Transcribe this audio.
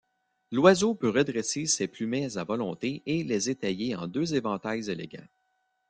L’oiseau peut redresser ces plumets à volonté et les étaler en deux éventails élégants.